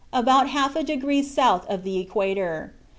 about half a degree south of the equator.